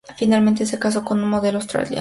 Finalmente se casó con un modelo australiano.